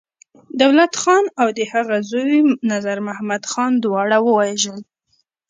دولت خان او د هغه زوی نظرمحمد خان، دواړه يې ووژل.